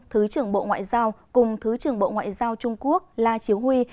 thứ trưởng bộ ngoại giao cùng thứ trưởng bộ ngoại giao trung quốc la chiếu huy